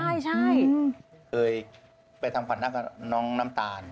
เคยไปทำขวัญนาคกับน้องน้ำตาล